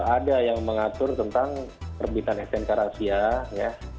ada yang mengatur tentang perbitan snk rasyia ya